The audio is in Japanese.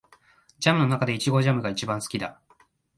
ジャムの中でイチゴジャムが一番好きだ